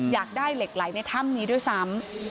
อยากได้เหล็กไหลในถ้ำนี้ด้วยซ้ำ